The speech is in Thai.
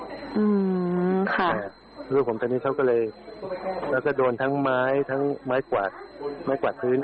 ลูกผมตอนนี้เขาก็เลยแล้วก็โดนทั้งไม้ทั้งไม้กวาดไม้กวาดพื้น